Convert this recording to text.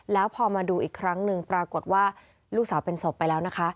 แล้วพอมาดูอีกครั้งหนึ่งปรากฏว่าลูกสาวเป็นศพไปแล้วนะคะ